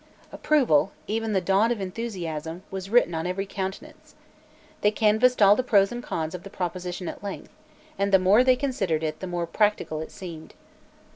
Approval even the dawn of enthusiasm was written on every countenance. They canvassed all the pros and cons of the proposition at length, and the more they considered it the more practical it seemed.